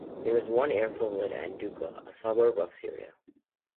There is one airfield at Anduki, a suburb of Seria.